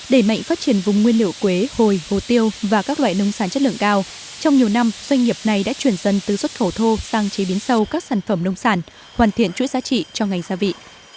để mạnh phát triển vùng nguyên liệu quế hồi hồ tiêu và các loại nông sản chất lượng cao trong nhiều năm doanh nghiệp này đã chuyển dân từ xuất khẩu thô sang chế biến sâu các sản phẩm nông sản hoàn thiện chuỗi giá trị cho ngành gia vị